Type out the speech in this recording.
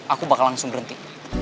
aku bakal langsung berhenti